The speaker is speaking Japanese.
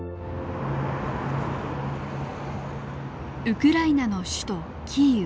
ウクライナの首都キーウ。